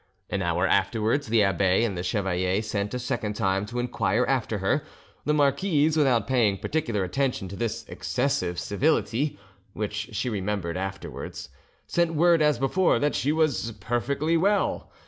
An hour afterwards the abbe and the chevalier sent a second time to inquire after her; the marquise, without paying particular attention to this excessive civility, which she remembered afterwards, sent word as before that she was perfectly well.